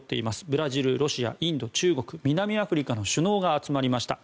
ブラジル、ロシア、インド中国、南アフリカの首脳が集まりました。